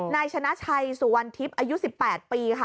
นายชนะชัยสุวรรณทิพย์อายุ๑๘ปีค่ะ